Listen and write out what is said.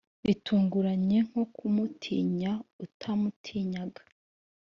bitunguranye nko kumutinya utamutinyaga,